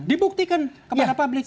dibuktikan kepada publik